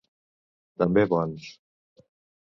També bons.